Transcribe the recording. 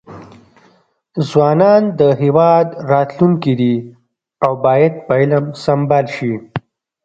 ځوانان د هیواد راتلونکي دي او باید په علم سمبال شي.